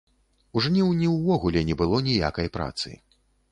У жніўні ўвогуле не было ніякай працы.